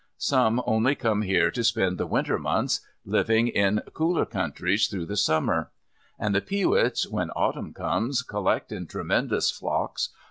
Some only come here to spend the winter months, living in cooler countries through the summer. And the peewits, when Autumn comes, collect in tremendous flocks.